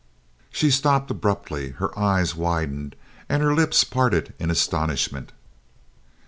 She stopped abruptly, her eyes widened and her lips parted in astonishment.